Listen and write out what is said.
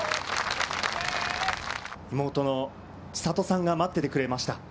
妹の千怜さんが待っていてくれました。